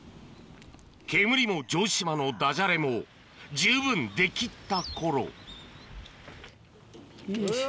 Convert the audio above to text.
煙も城島のダジャレも十分出きった頃よいしょ。